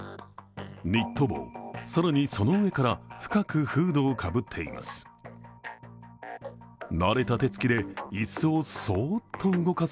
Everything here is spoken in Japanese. ニット帽、更にその上から深くフードをかぶっています。